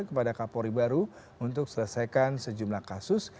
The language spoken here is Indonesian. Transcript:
kepada kapolri baru untuk selesaikan sejumlah kasus